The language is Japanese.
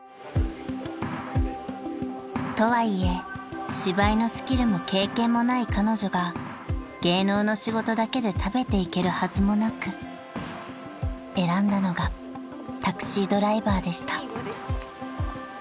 ［とはいえ芝居のスキルも経験もない彼女が芸能の仕事だけで食べていけるはずもなく選んだのがタクシードライバーでした］